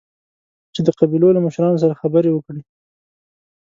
چې د قبيلو له مشرانو سره خبرې وکړي.